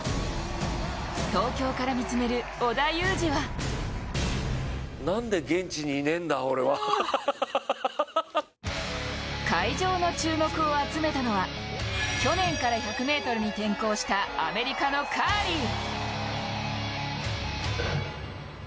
東京から見つめる織田裕二は会場の注目を集めたのは去年から１００ｍに転向したアメリカのカーリー。